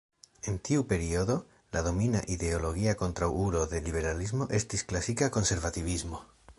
En tiu periodo, la domina ideologia kontraŭulo de liberalismo estis klasika konservativismo.